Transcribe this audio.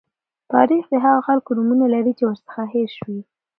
تاریخ د هغو خلکو نومونه لري چې ورڅخه هېر شوي.